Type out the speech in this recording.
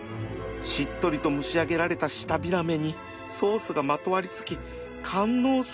しっとりと蒸し上げられた舌ビラメにソースがまとわり付き官能すら感じさせる